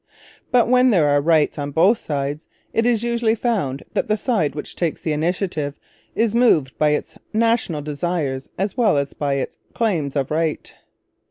But, when there are rights on both sides; it is usually found that the side which takes the initiative is moved by its national desires as well as by its claims of right.